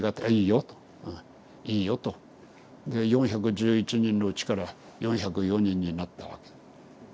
「ああいいよ」と「いいよ」と。で４１１人のうちから４０４人になったわけ。